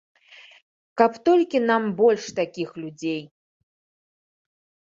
Каб толькі нам больш такіх людзей.